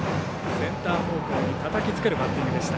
センター方向にたたきつけるバッティングでした。